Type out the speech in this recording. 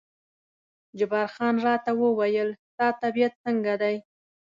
جبار خان راته وویل ستا طبیعت څنګه دی؟